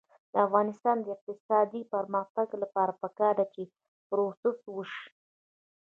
د افغانستان د اقتصادي پرمختګ لپاره پکار ده چې پروسس وشي.